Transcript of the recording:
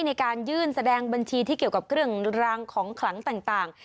ในการยื่นแสดงบัญชีที่เกี่ยวกับเครื่องรางของขลังต่าง